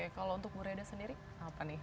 kalau untuk mureda sendiri apa nih